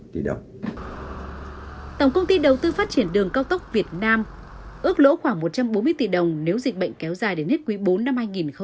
tổng công ty đầu tư phát triển đường cao tốc việt nam ước lỗ khoảng một trăm bốn mươi tỷ đồng nếu dịch bệnh kéo dài đến hết quý bốn năm hai nghìn hai mươi